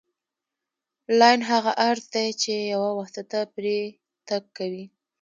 لاین هغه عرض دی چې یوه واسطه پرې تګ کوي